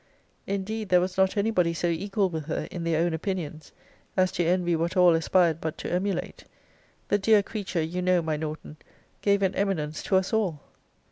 Indeed, there was not any body so equal with her, in their own opinions, as to envy what all aspired but to emulate. The dear creature, you know, my Norton, gave an eminence to us all!